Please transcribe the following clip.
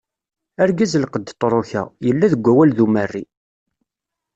Argaz lqedd tṛuka, yella deg awal d Umerri.